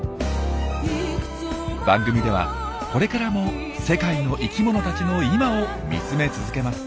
番組ではこれからも世界の生きものたちの今を見つめ続けます。